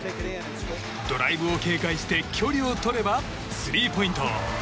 ドライブを警戒して距離をとればスリーポイント。